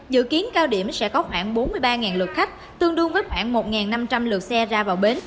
dự kiến cao điểm sẽ có khoảng bốn mươi ba lượt khách tương đương với khoảng một năm trăm linh lượt xe ra vào bến